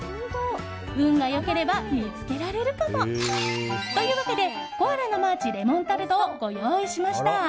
運が良ければ見つけられるかも。というわけで、コアラのマーチレモンタルトをご用意しました。